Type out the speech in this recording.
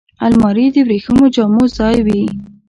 الماري د وریښمو جامو ځای وي